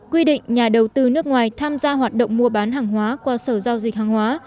quy định nhà đầu tư nước ngoài tham gia hoạt động mua bán hàng hóa qua sở giao dịch hàng hóa